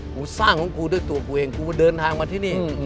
กูสร้างของกูด้วยตัวกูเองกูเดินทางมาที่นี่